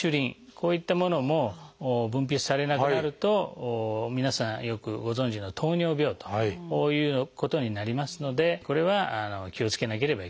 こういったものも分泌されなくなると皆さんよくご存じの糖尿病ということになりますのでこれは気をつけなければいけないと。